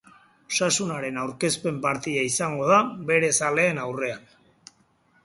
Osasunaren aurkezpen partida izango da bere zaleen aurrean.